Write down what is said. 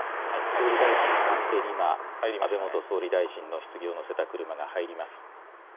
総理大臣官邸に今、安倍元総理大臣のひつぎを乗せた車が入ります。